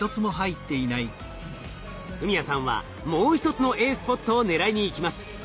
史哉さんはもう一つのＡスポットを狙いにいきます。